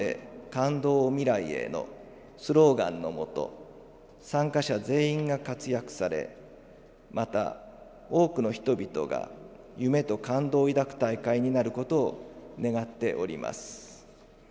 感動を未来へ。」のスローガンのもと参加者全員が活躍されまた、多くの人々が夢と感動を抱く大会になることを願っております。